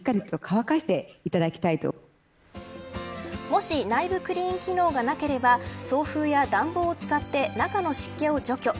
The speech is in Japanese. もし内部クリーン機能がなければ送風や暖房を使って中の湿気を除去。